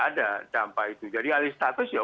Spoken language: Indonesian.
ada dampak itu jadi alih status ya